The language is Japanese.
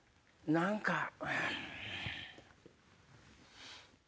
何か。